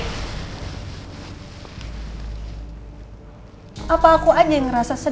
lagi berusaha untuk ngilangin bayangannya keisha